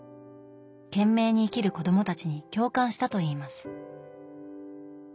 懸命に生きる子供たちに共感したといいます。